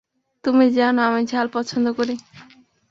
তুমি জানো আমি ঝাল পছন্দ করি।